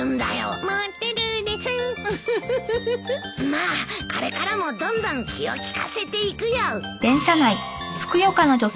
まあこれからもどんどん気を利かせていくよ。